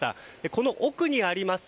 この奥にあります